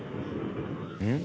うん？